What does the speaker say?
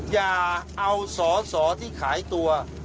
อย่าเอาสอสอที่ขายตัว